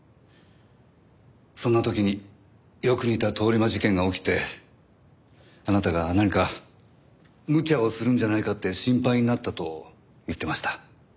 そんな時によく似た通り魔事件が起きてあなたが何かむちゃをするんじゃないかって心配になったと言ってました。